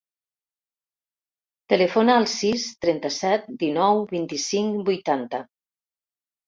Telefona al sis, trenta-set, dinou, vint-i-cinc, vuitanta.